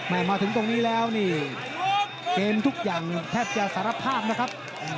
มาถึงตรงนี้แล้วนี่เกมทุกอย่างแทบจะสารภาพนะครับ